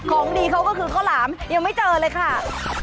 ของดีเขาก็คือข้าวหลามยังไม่เจอเลยค่ะ